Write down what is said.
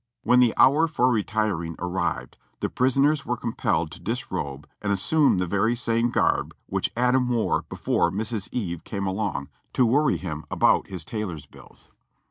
When the hour for re tiring arrived, the prisoners were compelled to disrobe and as sume the very same garb which Adam wore before Mrs, Eve came along to worry him about his tailor's bills.